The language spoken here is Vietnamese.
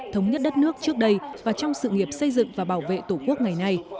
thống nhất đất nước trước đây và trong sự nghiệp xây dựng và bảo vệ tổ quốc ngày nay